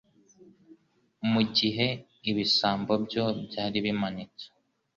mu gihe ibisambo byo byari bimanitse.